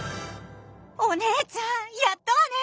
お姉ちゃんやったわね！